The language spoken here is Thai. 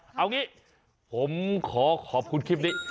เอางี้ผมขอขอบคุณคลิปนี้